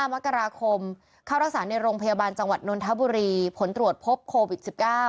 มกราคมเข้ารักษาในโรงพยาบาลจังหวัดนนทบุรีผลตรวจพบโควิด๑๙